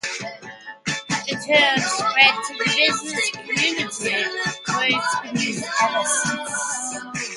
The term spread to the business community, where it has been used ever since.